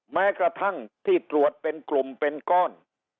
แม้กระทั่งที่ตรวจเป็นกลุ่มเป็นก้อน